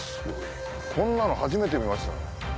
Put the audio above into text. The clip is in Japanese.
こんなの初めて見ましたね。